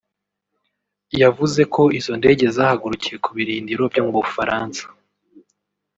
yavuze ko izo ndege zahagurukiye ku birindiro byo mu Bufaransa